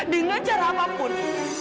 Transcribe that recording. dengan cara apapun